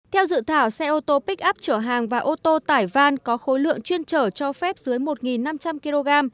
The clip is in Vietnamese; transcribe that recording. theo dự thảo xe ô tô bích up chở hàng và ô tô tải van có khối lượng chuyên trở cho phép dưới một năm trăm linh kg